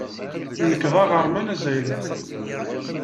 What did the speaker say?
Nekk d aɣerman azzayri.